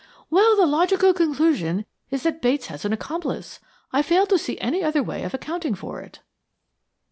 "Well, the logical conclusion is that Bates has an accomplice. I fail to see any other way of accounting for it."